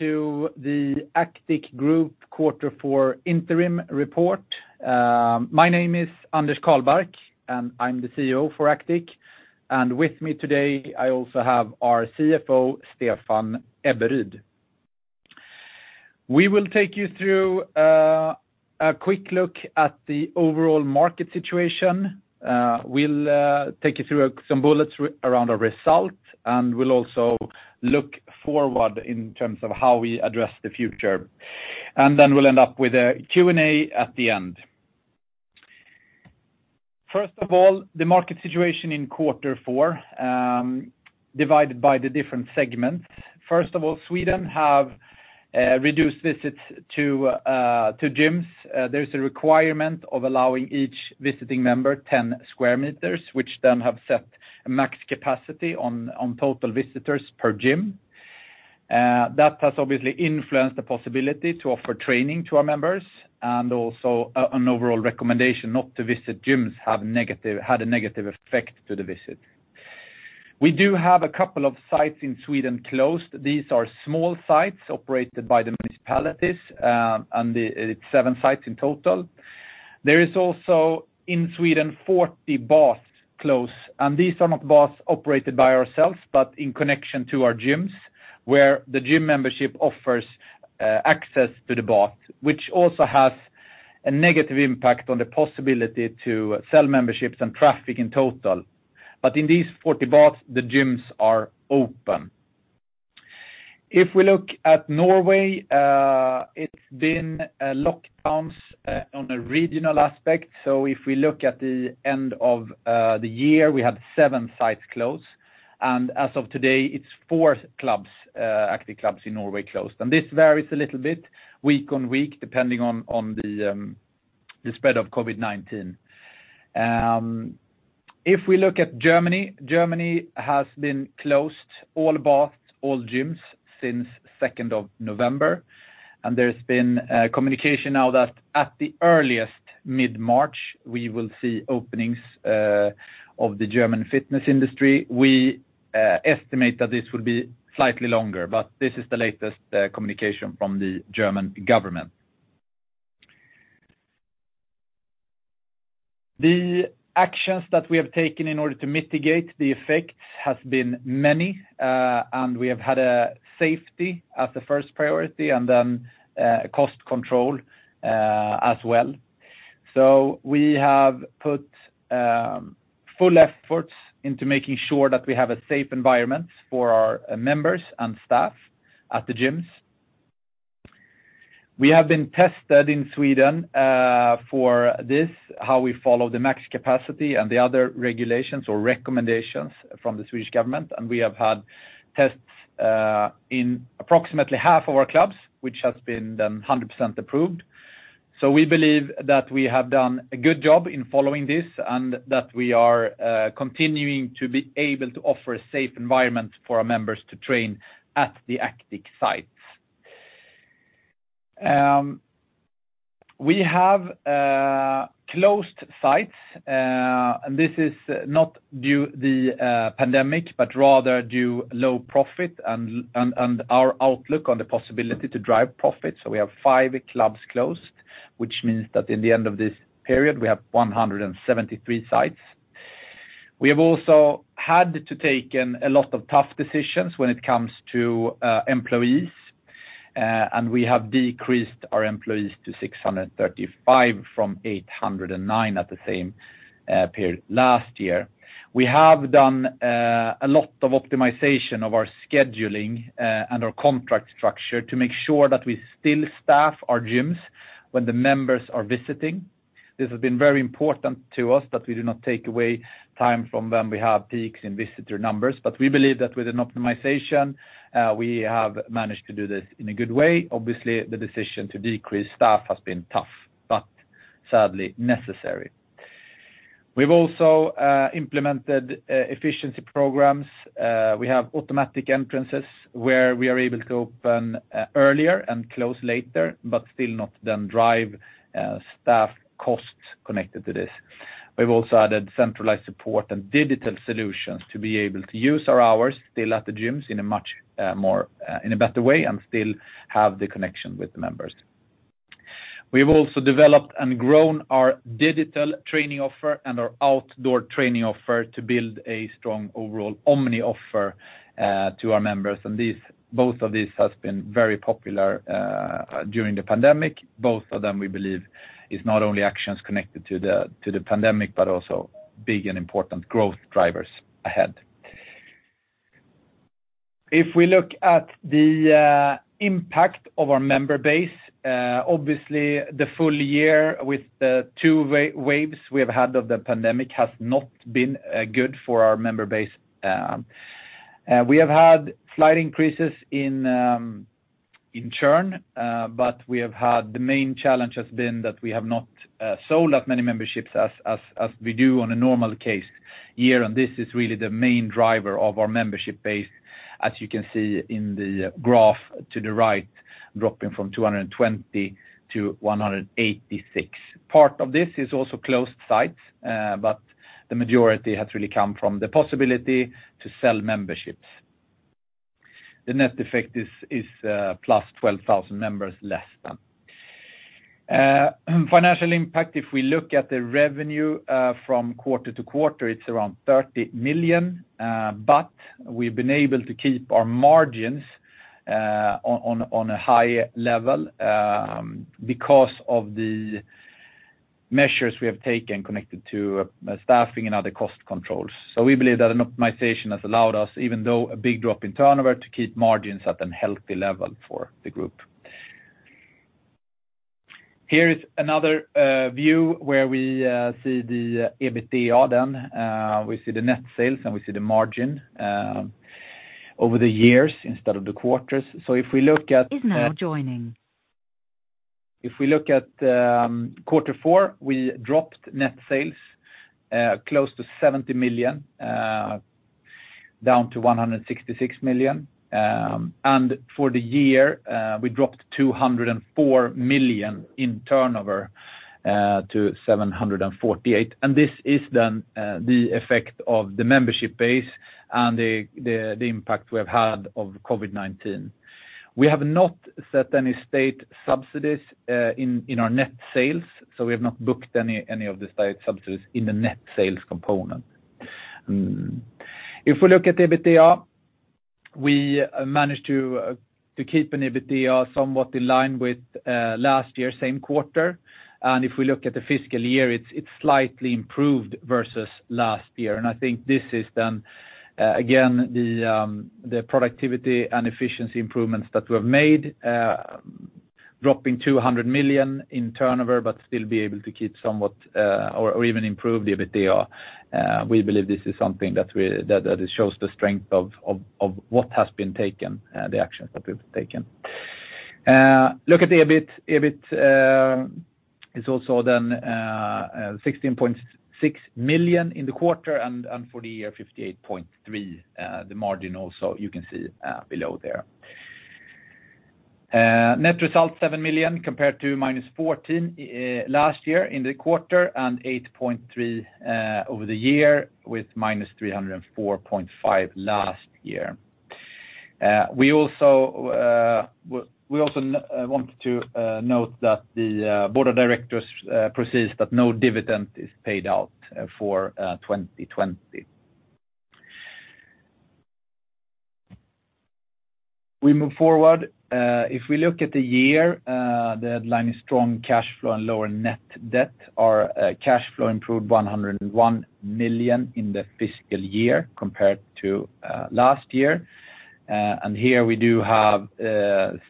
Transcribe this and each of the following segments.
To the Actic Group Q4 interim report. My name is Anders Carlbark, and I'm the CEO for Actic. With me today, I also have our CFO, Stephan Ebberyd. We will take you through a quick look at the overall market situation. We'll take you through some bullets around our result, and we'll also look forward in terms of how we address the future. Then we'll end up with a Q&A at the end. First of all, the market situation in quarter four, divided by the different segments. First of all, Sweden have reduced visits to gyms. There's a requirement of allowing each visiting member 10 sq m, which then have set a max capacity on total visitors per gym. That has obviously influenced the possibility to offer training to our members, and also an overall recommendation not to visit gyms had a negative effect on the visit. We do have a couple of sites in Sweden closed. These are small sites operated by the municipalities, and it's seven sites in total. There is also, in Sweden, 40 baths closed, and these are not baths operated by ourselves, but in connection to our gyms, where the gym membership offers access to the bath, which also has a negative impact on the possibility to sell memberships and traffic in total. But in these 40 baths, the gyms are open. If we look at Norway, it's been lockdowns on a regional aspect. If we look at the end of the year, we had seven sites closed. As of today, it's four clubs, Actic clubs in Norway closed. This varies a little bit week on week, depending on the spread of COVID-19. If we look at Germany has been closed, all gyms since second of November. There's been communication now that at the earliest mid-March, we will see openings of the German fitness industry. We estimate that this will be slightly longer, but this is the latest communication from the German government. The actions that we have taken in order to mitigate the effect has been many, and we have had safety as a first priority and then cost control as well. We have put full efforts into making sure that we have a safe environment for our members and staff at the gyms. We have been tested in Sweden for this, how we follow the max capacity and the other regulations or recommendations from the Swedish government. We have had tests in approximately half of our clubs, which has been 100% approved. We believe that we have done a good job in following this and that we are continuing to be able to offer a safe environment for our members to train at the Actic sites. We have closed sites, and this is not due to the pandemic, but rather due to low profit and our outlook on the possibility to drive profit. We have 5 clubs closed, which means that in the end of this period, we have 173 sites. We have also had to take in a lot of tough decisions when it comes to employees. We have decreased our employees to 635 from 809 at the same period last year. We have done a lot of optimization of our scheduling and our contract structure to make sure that we still staff our gyms when the members are visiting. This has been very important to us that we do not take away time from when we have peaks in visitor numbers. We believe that with an optimization we have managed to do this in a good way. Obviously, the decision to decrease staff has been tough, but sadly necessary. We've also implemented efficiency programs. We have automatic entrances where we are able to open earlier and close later, but still not drive staff costs connected to this. We've also added centralized support and digital solutions to be able to use our hours still at the gyms in a better way and still have the connection with the members. We've also developed and grown our digital training offer and our outdoor training offer to build a strong overall omni-offer to our members. These, both of these has been very popular during the pandemic. Both of them, we believe, is not only actions connected to the pandemic, but also big and important growth drivers ahead. If we look at the impact of our member base, obviously, the full year with the two waves we have had of the pandemic has not been good for our member base. We have had slight increases in churn, but the main challenge has been that we have not sold as many memberships as we do on a normal case year. This is really the main driver of our membership base, as you can see in the graph to the right, dropping from 220 to 186. Part of this is also closed sites, but the majority has really come from the possibility to sell memberships. The net effect is plus 12,000 members less than. Financial impact, if we look at the revenue from quarter to quarter, it's around 30 million. We've been able to keep our margins on a high level because of the measures we have taken connected to staffing and other cost controls. We believe that an optimization has allowed us, even though a big drop in turnover, to keep margins at a healthy level for the group. Here is another view where we see the EBITDA then. We see the net sales, and we see the margin over the years instead of the quarters. If we look at If we look at quarter four, we dropped net sales close to 70 million down to 166 million. For the year, we dropped 204 million in turnover to 748 million. This is then the effect of the membership base and the impact we have had of COVID-19. We have not got any state subsidies in our net sales, so we have not booked any of the state subsidies in the net sales component. If we look at the EBITDA, we managed to keep an EBITDA somewhat in line with last year, same quarter. If we look at the fiscal year, it's slightly improved versus last year. I think this is then, again, the productivity and efficiency improvements that we have made, dropping 200 million in turnover, but still be able to keep somewhat, or even improve the EBITDA. We believe this is something that shows the strength of what has been taken, the actions that we've taken. Look at the EBIT. EBIT is also then 16.6 million in the quarter and for the year, 58.3. The margin also you can see below there. Net result, 7 million compared to -14 last year in the quarter and 8.3 over the year with -304.5 last year. We also wanted to note that the board of directors proposes that no dividend is paid out for 2020. We move forward. If we look at the year, the headline is strong cash flow and lower net debt. Our cash flow improved 101 million in the fiscal year compared to last year. And here we do have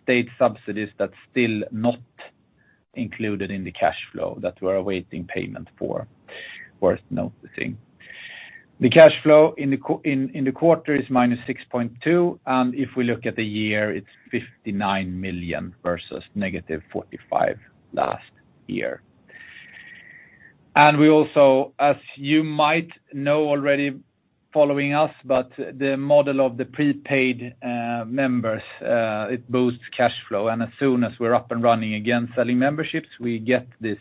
state subsidies that's still not included in the cash flow that we're awaiting payment for. Worth noticing. The cash flow in the quarter is minus 6.2 million, and if we look at the year, it's 59 million versus negative 45 million last year. We also, as you might know already following us, but the model of the prepaid members, it boosts cash flow. As soon as we're up and running again selling memberships, we get this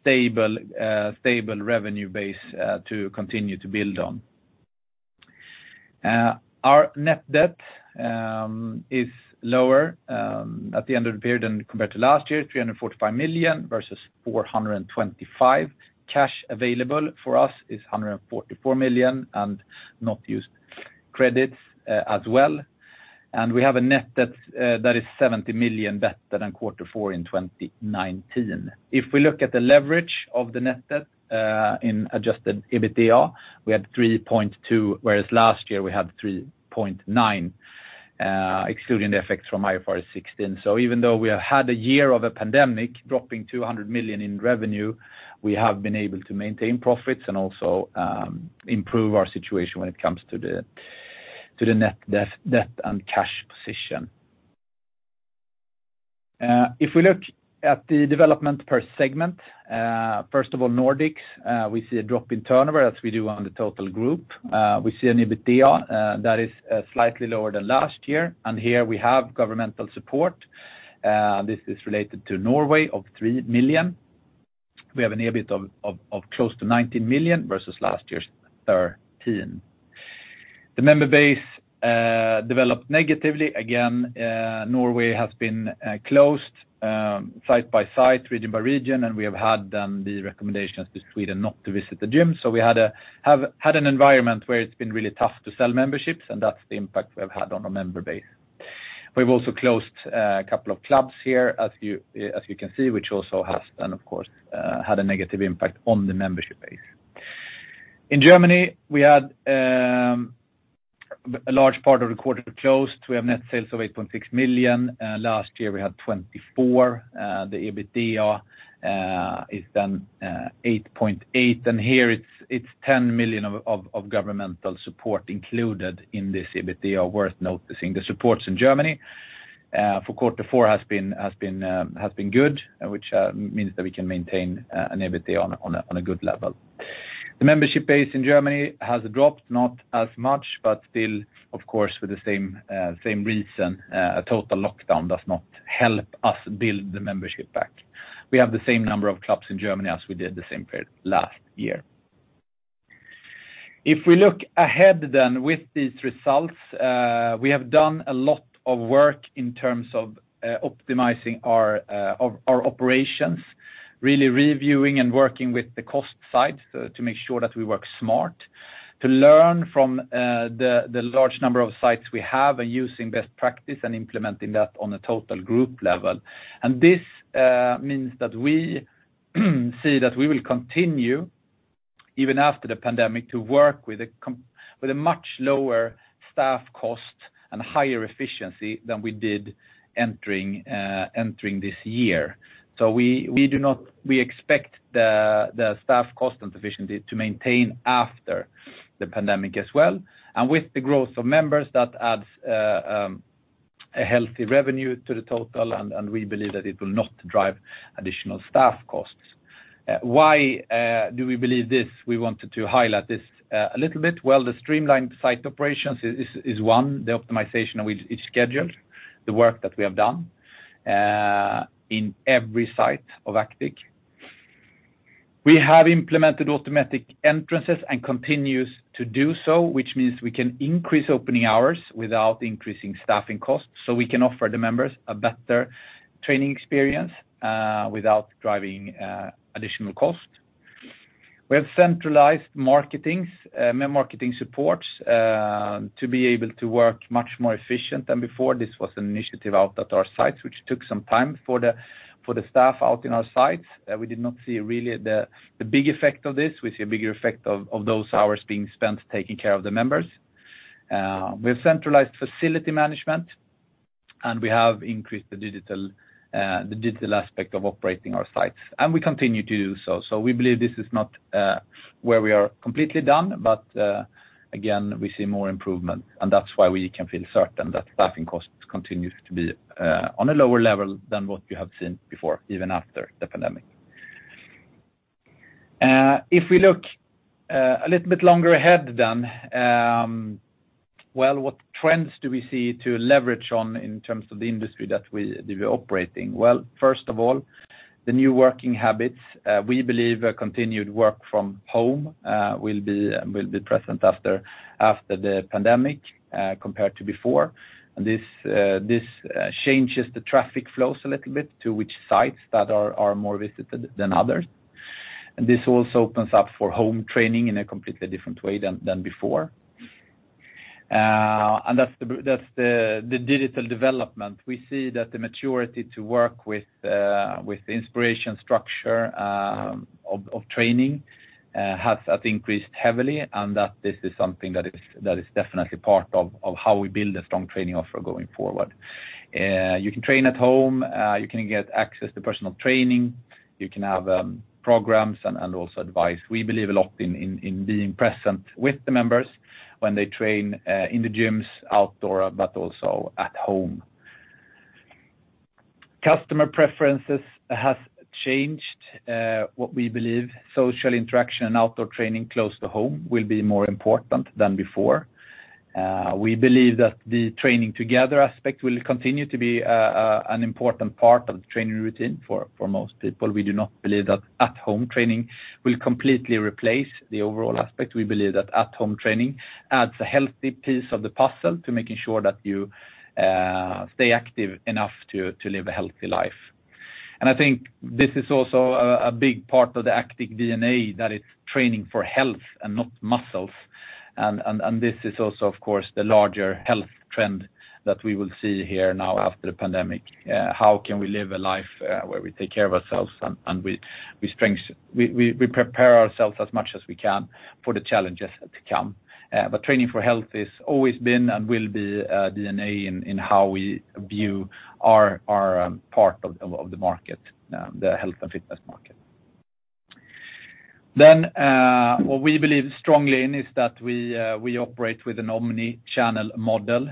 stable revenue base to continue to build on. Our net debt is lower at the end of the period and compared to last year, 345 million versus 425 million. Cash available for us is 144 million and not used credits as well. We have a net debt that is 70 million better than Q4 2019. If we look at the leverage of the net debt in adjusted EBITDA, we had 3.2x, whereas last year we had 3.9x, excluding the effects from IFRS 16. Even though we have had a year of a pandemic dropping 200 million in revenue, we have been able to maintain profits and also improve our situation when it comes to the net debt and cash position. If we look at the development per segment, first of all, Nordics, we see a drop in turnover as we do on the total group. We see an EBITDA that is slightly lower than last year, and here we have governmental support. This is related to Norway of 3 million. We have an EBIT of close to 19 million versus last year's 13 million. The member base developed negatively. Again, Norway has been closed site by site, region by region, and we have had then the recommendations to Sweden not to visit the gym. We have had an environment where it's been really tough to sell memberships, and that's the impact we have had on our member base. We've also closed a couple of clubs here, as you can see, which also has, of course, had a negative impact on the membership base. In Germany, we had a large part of the quarter closed. We have net sales of 8.6 million. Last year, we had 24 million. The EBITDA is then 8.8 million. Here it's 10 million of governmental support included in this EBITDA worth noticing. The supports in Germany for quarter four has been good, which means that we can maintain an EBITDA on a good level. The membership base in Germany has dropped, not as much, but still, of course, with the same reason, a total lockdown does not help us build the membership back. We have the same number of clubs in Germany as we did the same period last year. If we look ahead then with these results, we have done a lot of work in terms of, optimizing our operations, really reviewing and working with the cost side to make sure that we work smart, to learn from the large number of sites we have and using best practice and implementing that on a total group level. This means that we see that we will continue even after the pandemic to work with a much lower staff cost and higher efficiency than we did entering this year. We expect the staff cost and efficiency to maintain after the pandemic as well. With the growth of members, that adds a healthy revenue to the total, and we believe that it will not drive additional staff costs. Why do we believe this? We wanted to highlight this a little bit. Well, the streamlined site operations is one, the optimization of each schedule, the work that we have done in every site of Actic. We have implemented automatic entrances and continues to do so, which means we can increase opening hours without increasing staffing costs, so we can offer the members a better training experience, without driving additional cost. We have centralized marketing supports, to be able to work much more efficient than before. This was an initiative out at our sites, which took some time for the staff out in our sites. We did not see really the big effect of this. We see a bigger effect of those hours being spent taking care of the members. We have centralized facility management, and we have increased the digital aspect of operating our sites, and we continue to do so. We believe this is not where we are completely done, but again, we see more improvement, and that's why we can feel certain that staffing costs continues to be on a lower level than what you have seen before, even after the pandemic. If we look a little bit longer ahead then, well, what trends do we see to leverage on in terms of the industry that we operate in? Well, first of all, the new working habits, we believe a continued work from home will be present after the pandemic, compared to before. This changes the traffic flows a little bit to which sites that are more visited than others. This also opens up for home training in a completely different way than before. That's the digital development. We see that the maturity to work with inspiration structure of training has, I think, increased heavily and that this is something that is definitely part of how we build a strong training offer going forward. You can train at home, you can get access to personal training, you can have programs and also advice. We believe a lot in being present with the members when they train in the gyms, outdoor, but also at home. Customer preferences have changed. We believe social interaction and outdoor training close to home will be more important than before. We believe that the training together aspect will continue to be an important part of the training routine for most people. We do not believe that at-home training will completely replace the overall aspect. We believe that at-home training adds a healthy piece of the puzzle to making sure that you stay active enough to live a healthy life. I think this is also a big part of the Actic DNA that is training for health and not muscles. This is also, of course, the larger health trend that we will see here now after the pandemic. How can we live a life where we take care of ourselves and we prepare ourselves as much as we can for the challenges to come? Training for health has always been and will be DNA in how we view our part of the market, the health and fitness market. What we believe strongly in is that we operate with an omni-channel model.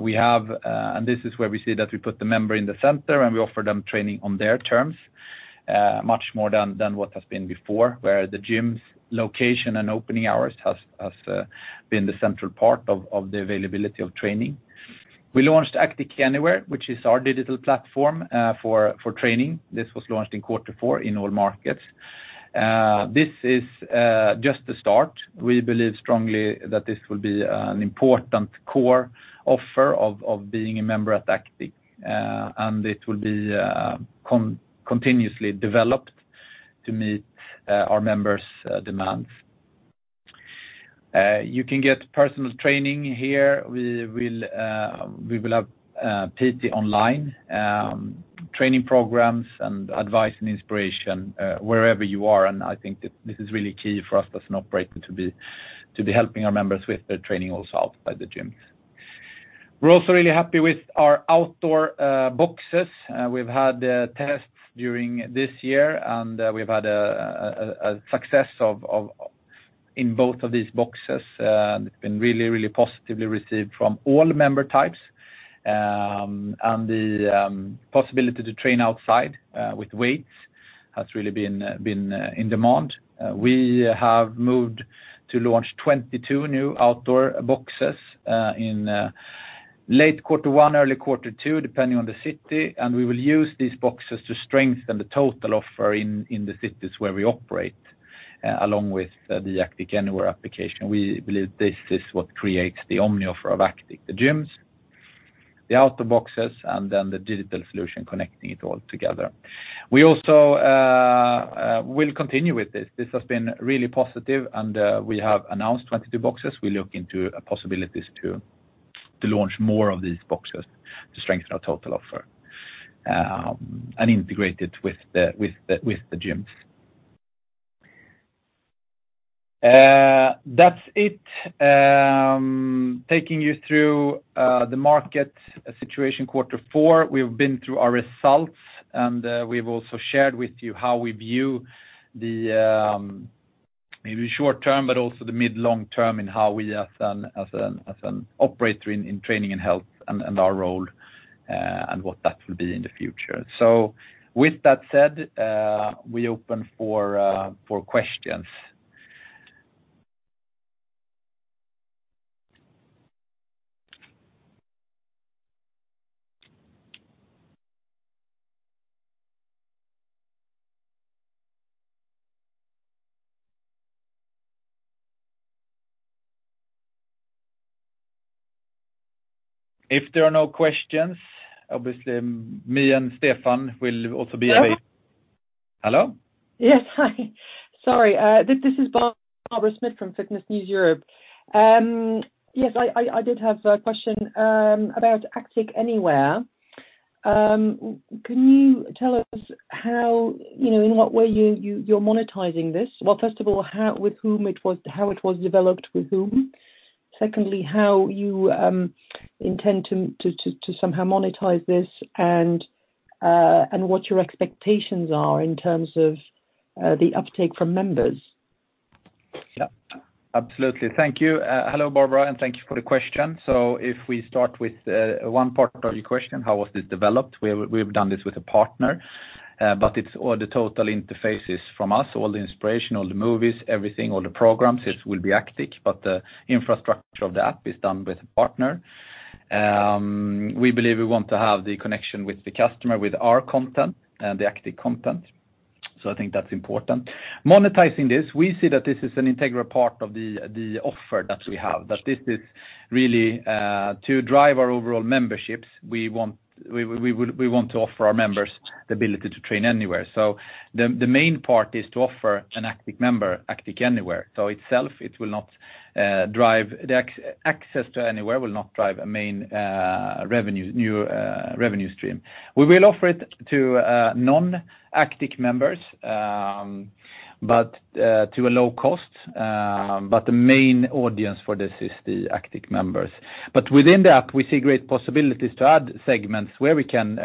We have, and this is where we see that we put the member in the center, and we offer them training on their terms, much more than what has been before, where the gym's location and opening hours has been the central part of the availability of training. We launched Actic Anywhere, which is our digital platform, for training. This was launched in quarter four in all markets. This is just the start. We believe strongly that this will be an important core offer of being a member at Actic, and it will be continuously developed to meet our members' demands. You can get personal training here. We will have PT Online, training programs and advice and inspiration, wherever you are. I think that this is really key for us as an operator to be helping our members with their training also outside the gyms. We're also really happy with our outdoor boxes. We've had tests during this year, and we've had a success in both of these boxes. It's been really positively received from all member types. The possibility to train outside with weights has really been in demand. We have moved to launch 22 new outdoor boxes in late quarter one, early quarter two, depending on the city, and we will use these boxes to strengthen the total offer in the cities where we operate along with the Actic Anywhere application. We believe this is what creates the omni-channel of Actic, the gyms, the outdoor boxes, and then the digital solution connecting it all together. We also will continue with this. This has been really positive and we have announced 22 boxes. We look into possibilities to launch more of these boxes to strengthen our total offer and integrate it with the gyms. That's it. Taking you through the market situation quarter four. We've been through our results and we've also shared with you how we view the maybe short-term, but also the mid-long term in how we as an operator in training and health and our role and what that will be in the future. With that said, we open for questions. If there are no questions, obviously me and Stephan will also be away. Hello? Hello? Yes. Hi. Sorry. This is Barbara Smit from Fitness News Europe. Yes, I did have a question about Actic Anywhere. Can you tell us, you know, in what way you're monetizing this? Well, first of all, how it was developed, with whom? Secondly, how you intend to somehow monetize this and what your expectations are in terms of the uptake from members? Absolutely. Thank you. Hello, Barbara, and thank you for the question. If we start with one part of your question: how was this developed? We've done this with a partner, but it's all the total interfaces from us, all the inspiration, all the movies, everything, all the programs, it will be Actic, but the infrastructure of the app is done with a partner. We believe we want to have the connection with the customer with our content and the Actic content, so I think that's important. Monetizing this, we see that this is an integral part of the offer that we have, that this is really to drive our overall memberships. We want to offer our members the ability to train anywhere. The main part is to offer an Actic member Actic Anywhere. Itself, it will not drive the access to Anywhere. It will not drive a main new revenue stream. We will offer it to non-Actic members, but to a low cost. The main audience for this is the Actic members. Within the app, we see great possibilities to add segments which we can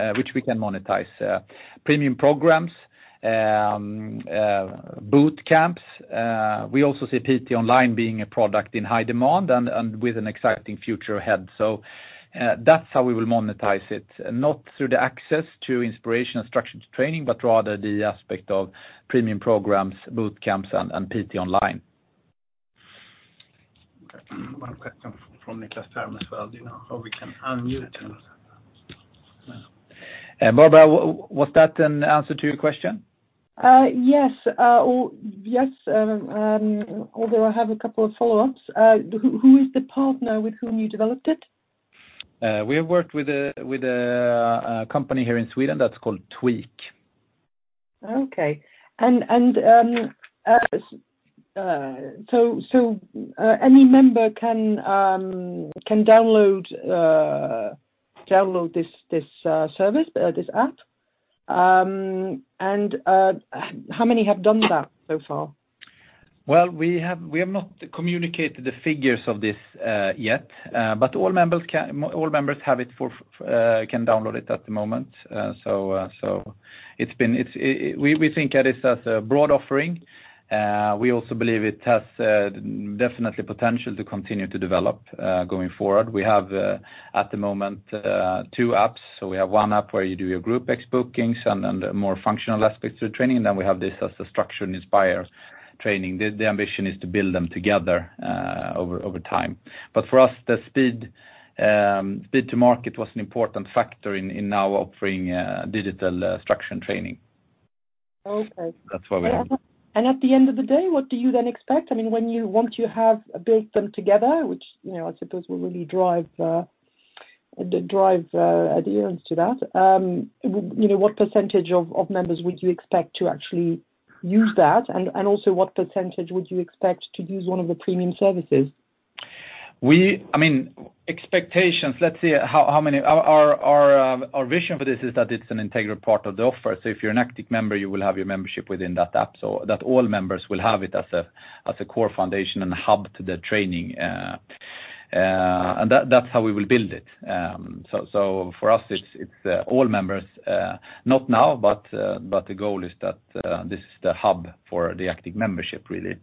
monetize, premium programs, boot camps. We also see PT Online being a product in high demand and with an exciting future ahead. That's how we will monetize it, not through the access to inspiration and structured training, but rather the aspect of premium programs, boot camps, and PT Online. One question from Nicklas Fhärm as well. Do you know how we can unmute him? Barbara, was that an answer to your question? Although I have a couple of follow-ups. Who is the partner with whom you developed it? We have worked with a company here in Sweden that's called Twiik. Okay. Any member can download this service, this app? How many have done that so far? Well, we have not communicated the figures of this yet, but all members can download it at the moment. It's been. We think of it as a broad offering. We also believe it has definite potential to continue to develop going forward. We have at the moment two apps. We have one app where you do your Group X bookings and more functional aspects to the training, and then we have this as a structured inspired training. The ambition is to build them together over time. For us, the speed to market was an important factor in now offering digital structured training. Okay. That's why we have them. At the end of the day, what do you then expect? I mean, when you want to have build them together, which, you know, I suppose will really drive adherence to that, you know, what percentage of members would you expect to actually use that? Also what percentage would you expect to use one of the premium services? Our vision for this is that it's an integral part of the offer. If you're an Actic member, you will have your membership within that app, so that all members will have it as a core foundation and hub to their training. That's how we will build it. For us, it's all members, not now, but the goal is that this is the hub for the Actic membership, really.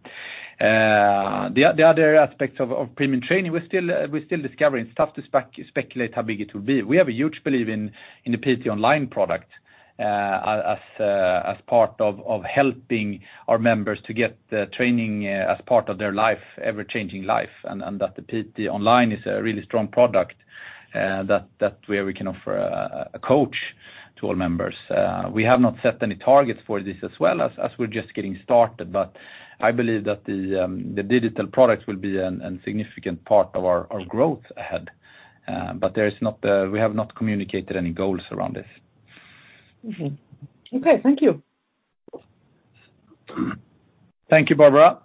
The other aspects of premium training, we're still discovering stuff to speculate how big it will be. We have a huge belief in the PT Online product. As part of helping our members to get the training as part of their life, ever-changing life, and that the PT Online is a really strong product, that where we can offer a coach to all members. We have not set any targets for this as well as we're just getting started. I believe that the digital products will be a significant part of our growth ahead. We have not communicated any goals around this. Mm-hmm. Okay, thank you. Thank you, Barbara.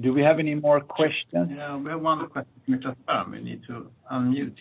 Do we have any more questions? Yeah. We have one question from Nicklas Fhärm. We need to unmute.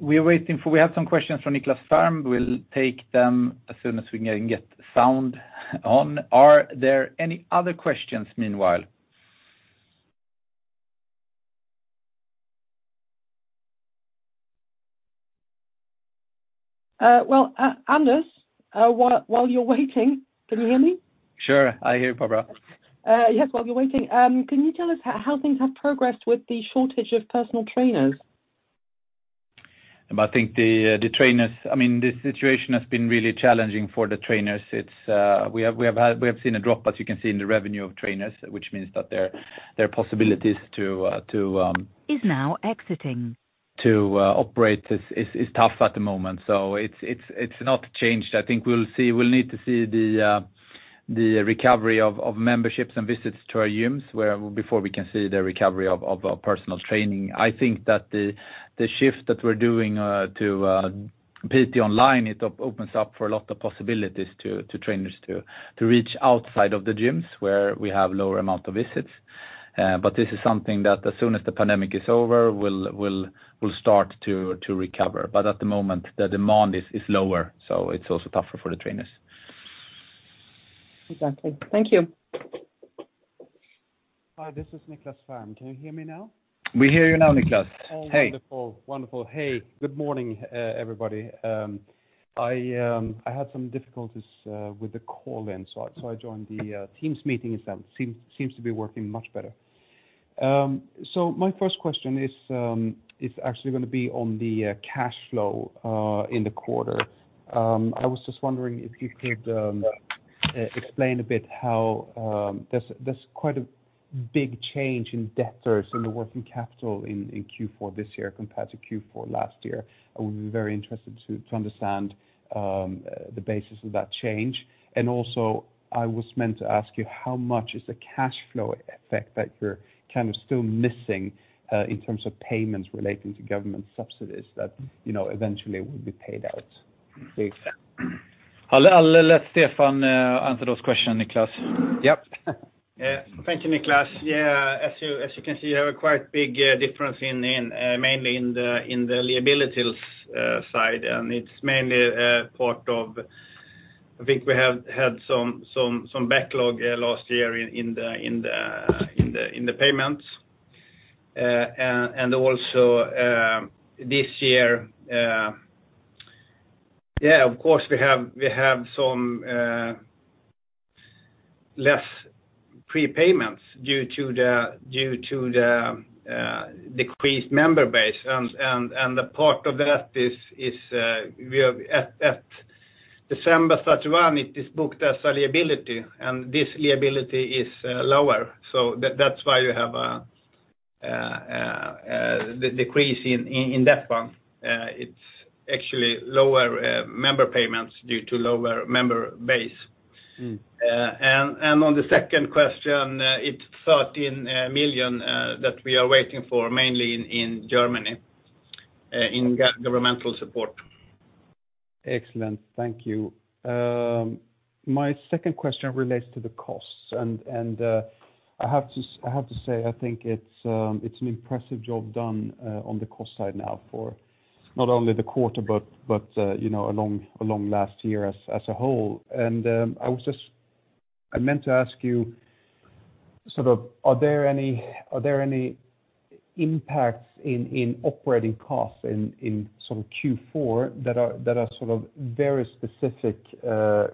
We have some questions from Nicklas Fhärm. We'll take them as soon as we can get sound on. Are there any other questions meanwhile? Well, Anders, while you're waiting. Can you hear me? Sure. I hear you, Barbara. Yes. While you're waiting, can you tell us how things have progressed with the shortage of personal trainers? I think the situation has been really challenging for the trainers. It's we have seen a drop, as you can see in the revenue of trainers, which means that their possibilities to To operate is tough at the moment. It's not changed. I think we'll need to see the recovery of memberships and visits to our gyms before we can see the recovery of personal training. I think that the shift that we're doing to PT Online opens up for a lot of possibilities to trainers to reach outside of the gyms where we have lower amount of visits. This is something that as soon as the pandemic is over, we'll start to recover. At the moment, the demand is lower, so it's also tougher for the trainers. Exactly. Thank you. Hi, this is Nicklas Fhärm. Can you hear me now? We hear you now, Nicklas. Hey. Oh, wonderful. Wonderful. Hey, good morning, everybody. I had some difficulties with the call in, so I joined the Teams meeting instead. It seems to be working much better. My first question is actually gonna be on the cash flow in the quarter. I was just wondering if you could explain a bit how there's quite a big change in debtors in the working capital in Q4 this year compared to Q4 last year. I would be very interested to understand the basis of that change. Also, I was meant to ask you how much is the cash flow effect that you're kind of still missing in terms of payments relating to government subsidies that eventually will be paid out, please? I'll let Stephan answer those questions, Nicklas. Yep. Yeah. Thank you, Nicklas. As you can see, you have a quite big difference mainly in the liabilities side, and it's mainly I think we have had some backlog last year in the payments and also this year. Of course, we have some less prepayments due to the decreased member base. A part of that is we have at December 31 it is booked as liability, and this liability is lower. That's why you have the decrease in that one. It's actually lower member payments due to lower member base. Mm-hmm. On the second question, it's 13 million that we are waiting for mainly in Germany in governmental support. Excellent. Thank you. My second question relates to the costs. I have to say, I think it's an impressive job done on the cost side now for not only the quarter but you know, along last year as a whole. I meant to ask you sort of, are there any impacts in operating costs in sort of Q4 that are sort of very specific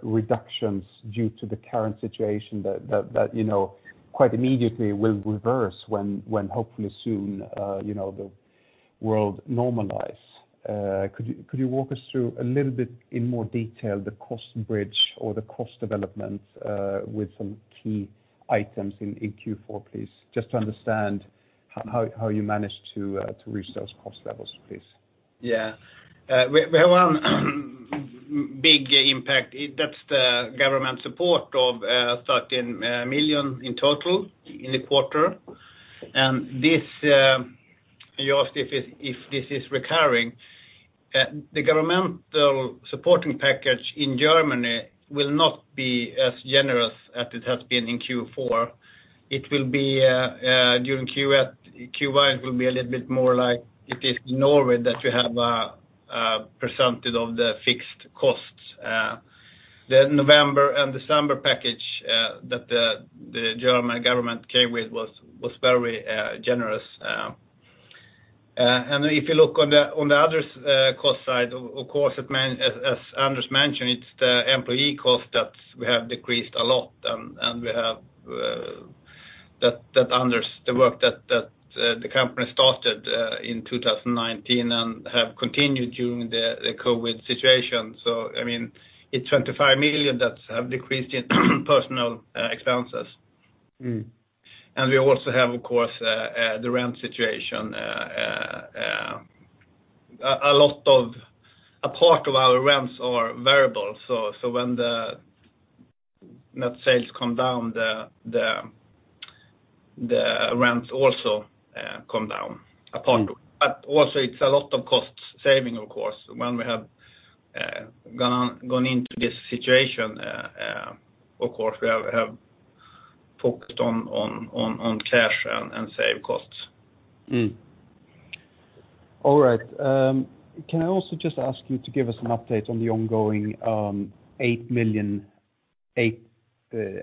reductions due to the current situation that you know, quite immediately will reverse when hopefully soon you know, the world normalize? Could you walk us through a little bit in more detail the cost bridge or the cost development with some key items in Q4, please? Just to understand how you managed to reach those cost levels, please? Yeah. We have one big impact. That's the government support of 13 million in total in the quarter. This, you asked if this is recurring. The governmental support package in Germany will not be as generous as it has been in Q4. It will be during Q1 a little bit more like it is in Norway that you have a percentage of the fixed costs. The November and December package that the German government came with was very generous. If you look on the other cost side, of course, it meant as Anders mentioned, it's the employee cost that we have decreased a lot, and we have the work that the company started in 2019 and have continued during the COVID situation. I mean, it's 25 million that have decreased in personnel expenses. Mm. We also have, of course, the rent situation. A part of our rents are variable. When the net sales come down, the rents also come down in part. Also it's a lot of cost savings, of course. When we have gone into this situation, of course, we have focused on cash and saving costs. All right. Can I also just ask you to give us an update on the ongoing 8 million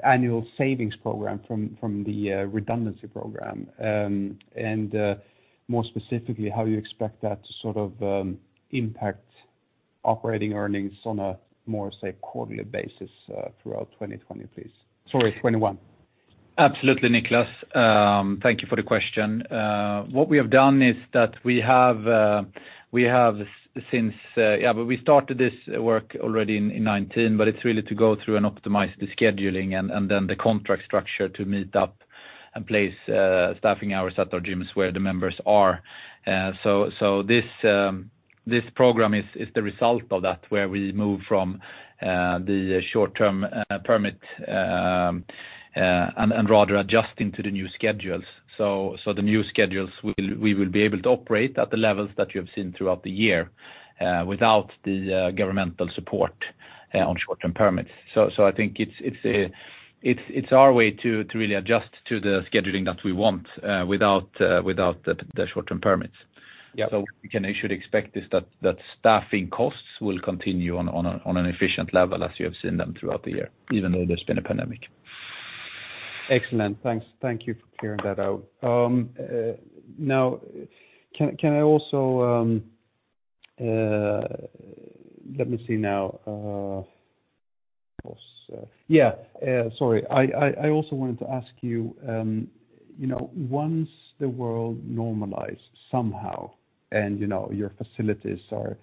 annual savings program from the redundancy program? More specifically, how you expect that to sort of impact operating earnings on a more, say, quarterly basis throughout 2021, please. Absolutely, Nicklas. Thank you for the question. What we have done is that we have since we started this work already in 2019, but it's really to go through and optimize the scheduling and then the contract structure to match up and place staffing hours at our gyms where the members are. This program is the result of that where we move from the short-term permit and rather adjusting to the new schedules. We will be able to operate at the levels that you have seen throughout the year without the governmental support on short-term permit. I think it's our way to really adjust to the scheduling that we want without the short-term permit. Yeah. You should expect that staffing costs will continue on an efficient level as you have seen them throughout the year, even though there's been a pandemic. Excellent. Thanks. Thank you for clearing that out. Now can I also let me see now. Of course. Yeah. Sorry. I also wanted to ask you know, once the world normalize somehow and, you know, your facilities are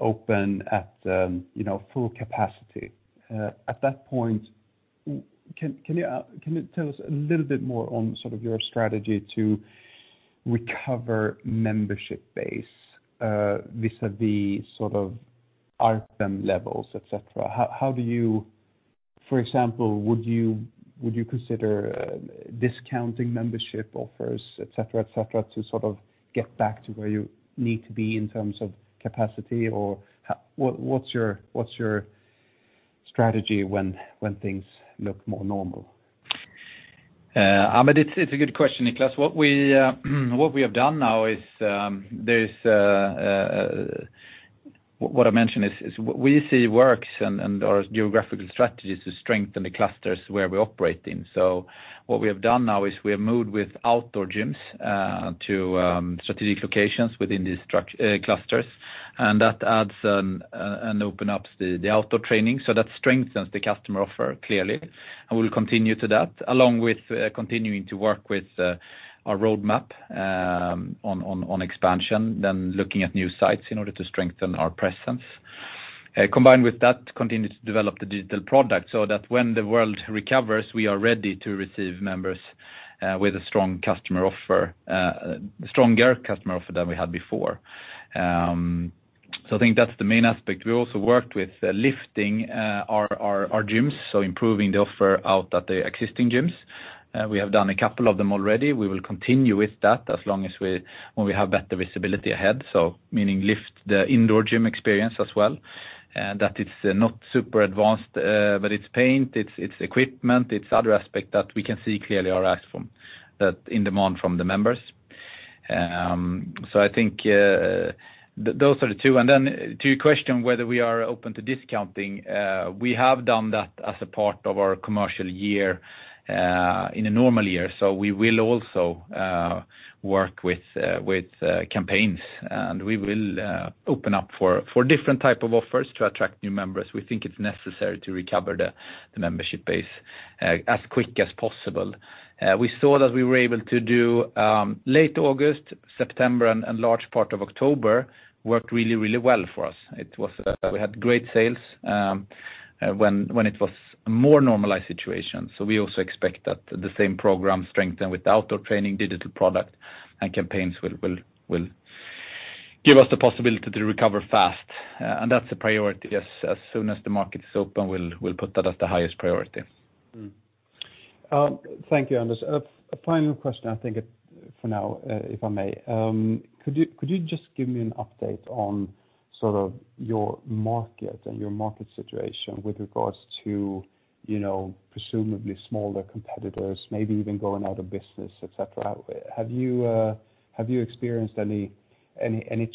open at, you know, full capacity, at that point, can you tell us a little bit more on sort of your strategy to recover membership base, vis-à-vis sort of pre-term levels, et cetera? How do you. For example, would you consider discounting membership offers, et cetera, et cetera, to sort of get back to where you need to be in terms of capacity? Or what is your strategy when things look more normal? I mean, it's a good question, Nicklas. What we have done now is what I mentioned is we seek to work on our geographical strategies to strengthen the clusters where we operate in. What we have done now is we have moved with outdoor boxes to strategic locations within these clusters, and that adds and opens up the outdoor training. That strengthens the customer offer, clearly. We'll continue to that along with continuing to work with our roadmap on expansion, then looking at new sites in order to strengthen our presence. Combined with that, continue to develop the digital product so that when the world recovers, we are ready to receive members with a strong customer offer, a stronger customer offer than we had before. I think that's the main aspect. We also worked with lifting our gyms, so improving the offer out at the existing gyms. We have done a couple of them already. We will continue with that when we have better visibility ahead. Meaning lift the indoor gym experience as well. That it's not super advanced, but it's paint, it's equipment, it's other aspect that we can see clearly that in demand from the members. I think those are the two. To your question, whether we are open to discounting, we have done that as a part of our commercial year in a normal year. We will also work with campaigns, and we will open up for different type of offers to attract new members. We think it's necessary to recover the membership base as quick as possible. We saw that we were able to do late August, September and large part of October worked really well for us. It was we had great sales when it was a more normalized situation. We also expect that the same program strengthened with outdoor training, digital product and campaigns will give us the possibility to recover fast. That's the priority. As soon as the market is open, we'll put that as the highest priority. Thank you, Anders. A final question, I think, for now, if I may. Could you just give me an update on sort of your market and your market situation with regards to, you know, presumably smaller competitors, maybe even going out of business, et cetera? Have you experienced any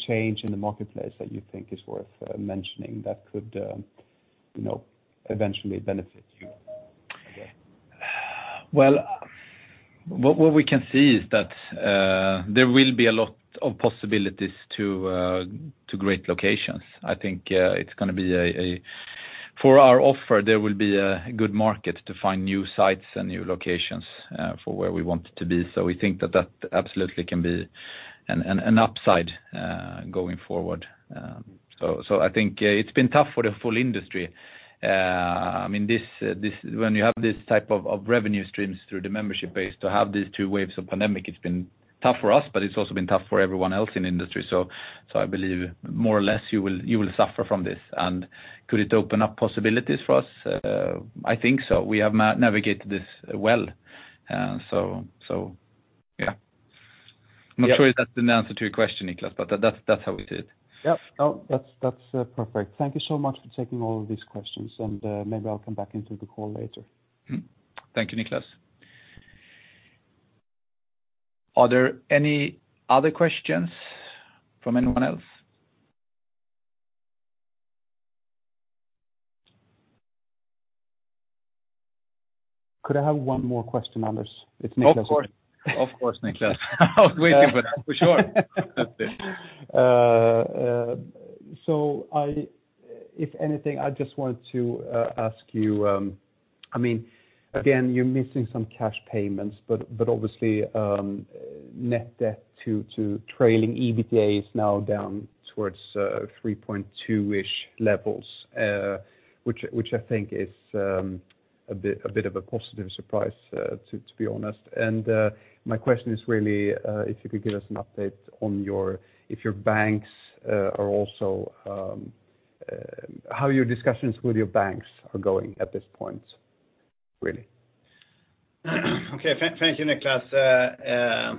change in the marketplace that you think is worth mentioning that could, you know, eventually benefit you? Well, what we can see is that there will be a lot of possibilities to great locations. For our offer, there will be a good market to find new sites and new locations for where we want it to be. We think that that absolutely can be an upside going forward. I think it's been tough for the whole industry. I mean, this when you have this type of revenue streams through the membership base, to have these two waves of pandemic, it's been tough for us, but it's also been tough for everyone else in the industry. I believe more or less you will suffer from this. Could it open up possibilities for us? I think so. We have navigated this well. Yeah. Yeah. I'm not sure if that's an answer to your question, Nicklas, but that's how we see it. Yeah. No, that's perfect. Thank you so much for taking all of these questions, and maybe I'll come back into the call later. Thank you, Nicklas. Are there any other questions from anyone else? Could I have one more question, Anders? It's Nicklas again. Of course, Nicklas. I was waiting for that for sure. If anything, I just want to ask you. I mean, again, you're missing some cash payments, but obviously net debt to trailing EBITDA is now down towards 3.2-ish levels, which I think is a bit of a positive surprise, to be honest. My question is really if you could give us an update on how your discussions with your banks are going at this point, really. Thank you, Nicklas.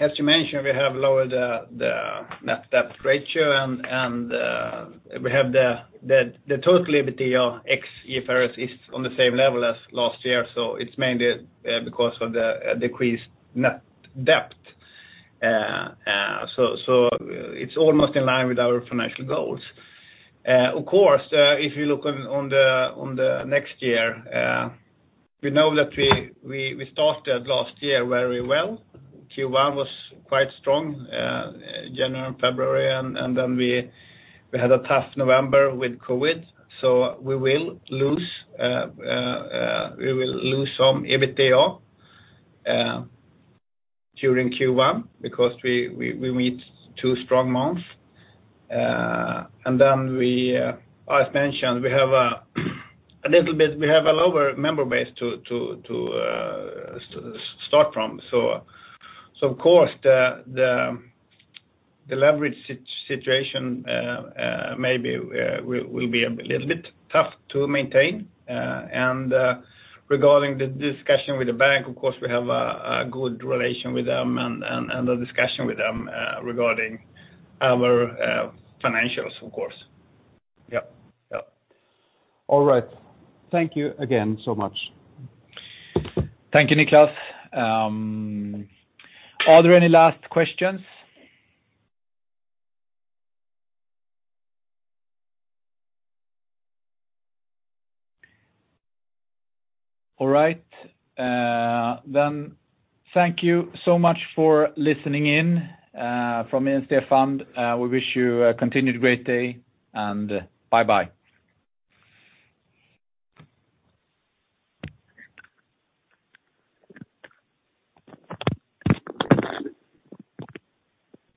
As you mentioned, we have lowered the net debt ratio and we have the total EBITDA ex IFRS is on the same level as last year, so it's mainly because of the decreased net debt. It's almost in line with our financial goals. Of course, if you look on the next year, we know that we started last year very well. Q1 was quite strong, January and February, and then we had a tough November with COVID. We will lose some EBITDA during Q1 because we meet two strong months. As mentioned, we have a lower member base to start from. Of course, the leverage situation maybe will be a little bit tough to maintain. Regarding the discussion with the bank, of course, we have a good relation with them and a discussion with them regarding our financials, of course. Yep. Yep. All right. Thank you again so much. Thank you, Nicklas. Are there any last questions? All right. Thank you so much for listening in, from me and Stephan. We wish you a continued great day, and bye-bye.